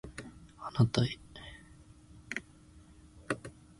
あなたへ